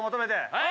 はい！